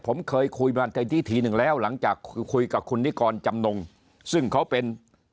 ผมเคยคุยมาในที่ทีหนึ่งแล้วหลังจากคุยกับคุณนิกรจำนงซึ่งเขาเป็น